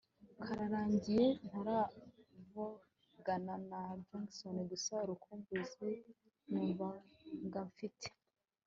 kararangiye ntaravugana na Jackson gusa urukumbuzi numvaga mfite